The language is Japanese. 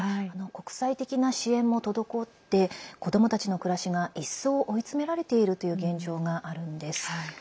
国際的な支援も滞って子どもたちの暮らしが一層追い詰められているという現状があるんです。